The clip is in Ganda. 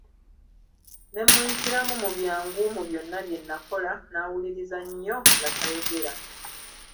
Ne mmuyitiramu mu byangu mu byonna bye nakola; n'awuliriza nnyo nga tayogera.